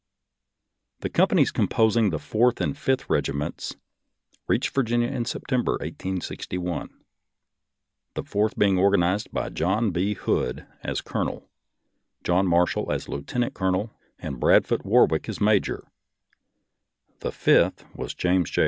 The companies composing the Fourth and Fifth Texas regiments reached Virginia in September, 1861, the Fourth being organized with John B. Hood as colonel, John Marshall as lieutenant colonel, and Bradfute Warwick as major; the Fifth with Jas. J.